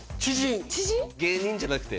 知人芸人じゃなくて？